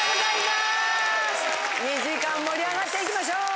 ２時間盛り上がっていきましょう！